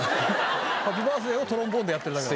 『ハッピーバースデー』をトロンボーンでやってるだけだから。